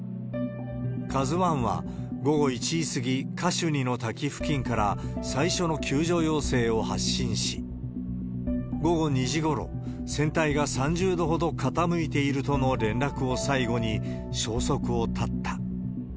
ＫＡＺＵＩは午後１時過ぎ、カシュニの滝付近から最初の救助要請を発信し、午後２時ごろ、船体が３０度ほど傾いているとの連絡を最後に消息を絶った。